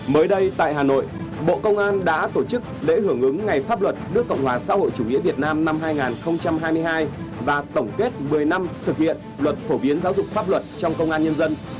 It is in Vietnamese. mới đây tại hà nội bộ công an đã tổ chức lễ hưởng ứng ngày pháp luật nước cộng hòa xã hội chủ nghĩa việt nam năm hai nghìn hai mươi hai và tổng kết một mươi năm thực hiện luật phổ biến giáo dục pháp luật trong công an nhân dân